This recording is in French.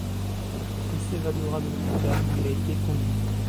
Il s’évadera de l’hôpital où il a été conduit.